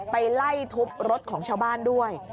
ไปไล่ทุบรถของชาวบ้านด้วย